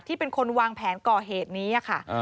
เป็นคนวางแผนก่อเหตุนี้ค่ะ